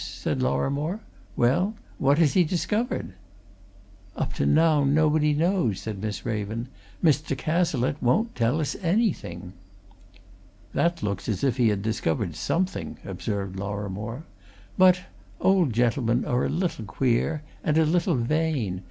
said Lorrimore. "Well what has he discovered?" "Up to now nobody knows," said Miss Raven. "Mr. Cazalette won't tell us anything." "That looks as if he had discovered something," observed Lorrimore. "But old gentlemen are a little queer, and a little vain.